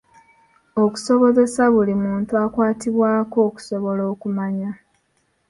Okusobozesa buli muntu akwatibwako okusobola okumanya.